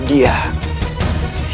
tidak ada alasan